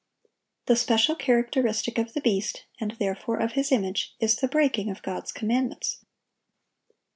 The special characteristic of the beast, and therefore of his image, is the breaking of God's commandments.